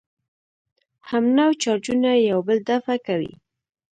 همنوع چارجونه یو بل دفع کوي.